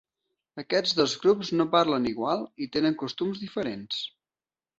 Aquests dos grups no parlen igual i tenen costums diferents.